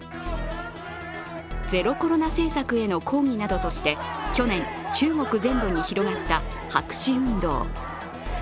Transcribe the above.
ゼロコロナ政策への抗議などとして去年、中国全土に広がった白紙運動。